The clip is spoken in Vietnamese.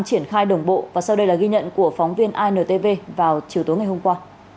triển khai đồng bộ và sau đây là ghi nhận của phóng viên intv vào chiều tối ngày hôm qua